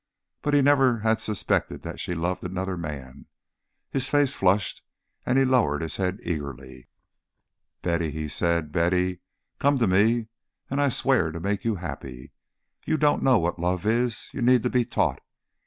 But he never had suspected that she loved another man. His face flushed and he lowered his head eagerly. "Betty!" he said, "Betty! Come to me and I swear to make you happy. You don't know what love is. You need to be taught.